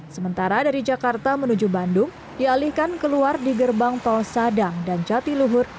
sementara dari jakarta menuju bandung dialihkan keluar di gerbang tol sadang dan jatiluhur